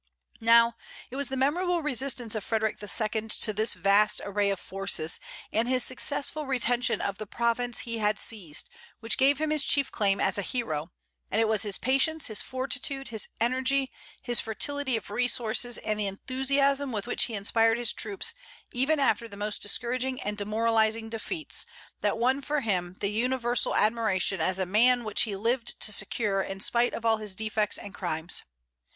Now, it was the memorable resistance of Frederic II. to this vast array of forces, and his successful retention of the province he had seized, which gave him his chief claim as a hero; and it was his patience, his fortitude, his energy, his fertility of resources, and the enthusiasm with which he inspired his troops even after the most discouraging and demoralizing defeats, that won for him that universal admiration as a man which he lived to secure in spite of all his defects and crimes.